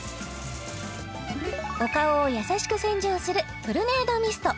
お顔を優しく洗浄するトルネードミスト